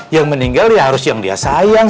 yang meninggal ya harus yang dia sayang